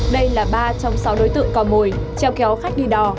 đây là ba trong sáu đối tượng cò mồi treo kéo khách đi đò